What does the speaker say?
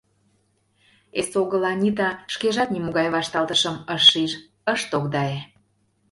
Эсогыл Анита шкежат нимогай вашталтышым ыш шиж, ыш тогдае.